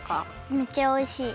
めっちゃおいしい。